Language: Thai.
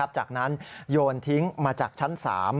จากนั้นโยนทิ้งมาจากชั้น๓